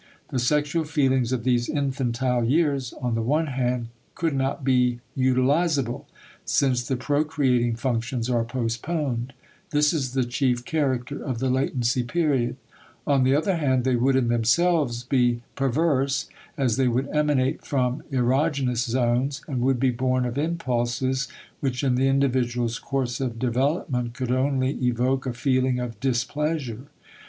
The sexual feelings of these infantile years on the one hand could not be utilizable, since the procreating functions are postponed, this is the chief character of the latency period; on the other hand, they would in themselves be perverse, as they would emanate from erogenous zones and would be born of impulses which in the individual's course of development could only evoke a feeling of displeasure.